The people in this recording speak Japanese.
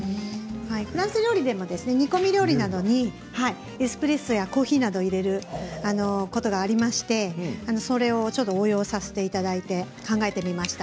フランス料理でも煮込み料理などにエスプレッソやコーヒーなどを入れるということがありましてそれをちょっと応用させていただきました。